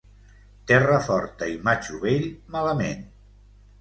Terra forta i matxo vell, malament.